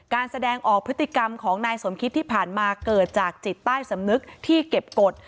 แสดงออกพฤติกรรมของนายสมคิดที่ผ่านมาเกิดจากจิตใต้สำนึกที่เก็บกฎ